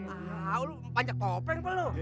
ah lu pancak topeng peluh